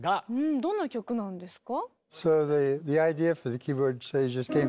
どんな曲なんですか？